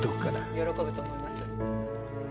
喜ぶと思います